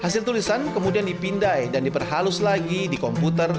pertulisan kemudian dipindai dan diperhalus lagi di komputer